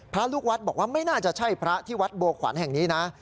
ลูกวัดบอกว่าไม่น่าจะใช่พระที่วัดบัวขวัญแห่งนี้นะ